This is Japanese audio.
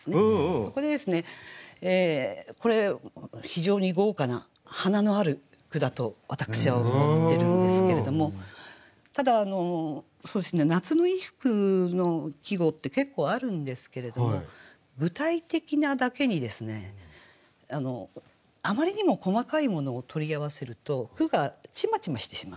そこでこれ非常に豪華な華のある句だと私は思ってるんですけれどもただ夏の衣服の季語って結構あるんですけれども具体的なだけにあまりにも細かいものを取り合わせると句がちまちましてしまう。